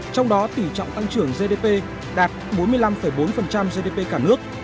trong đó tỉ trọng tăng trưởng gdp đạt bốn mươi năm bốn gdp cả nước